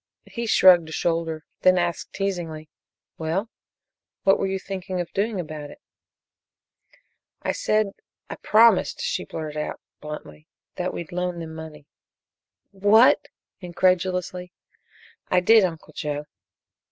He shrugged a shoulder, then asked teasingly: "Well what were you thinking of doing about it?" "I said I promised," she blurted it out bluntly, "that we'd loan them money." "What!" incredulously. "I did, Uncle Joe."